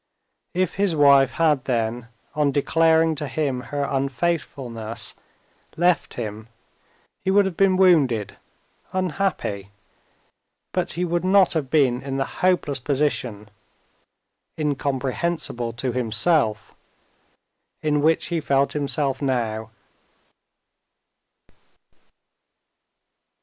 If his wife had then, on declaring to him her unfaithfulness, left him, he would have been wounded, unhappy, but he would not have been in the hopeless position—incomprehensible to himself—in which he felt himself now.